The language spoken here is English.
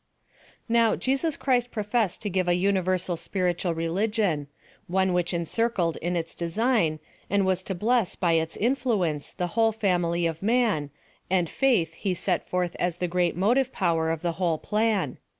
Now, Jesus Christ professed to give a universal spiritual religion ; one which encircled in its design, and was to bless by its influence, the whole family of man and faith he set forth as the ofreat motive power of the whole plan.